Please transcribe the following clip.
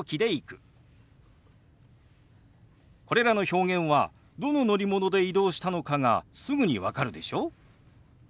これらの表現はどの乗り物で移動したのかがすぐに分かるでしょ？